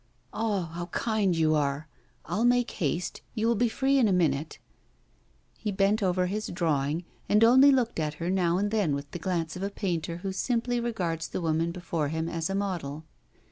'Ah! how kind you are! I'll make haste, you will be free in a minute.' He bent over his drawing, and only looked at her now and then with the glance of a painter who simply regards the woman before him as a model.